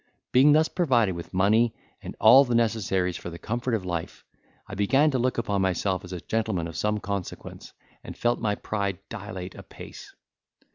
Being thus provided with money and all necessaries for the comfort of life, I began to look upon myself as a gentleman of some consequence, and felt my pride dilate a pace.